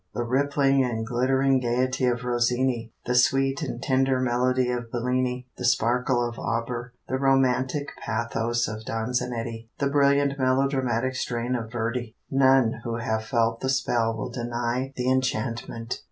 The rippling and glittering gayety of Rossini, the sweet and tender melody of Bellini, the sparkle of Auber, the romantic pathos of Donizetti, the brilliant melodramatic strain of Verdi none who have felt the spell will deny the enchantment.